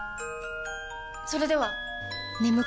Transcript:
それでは！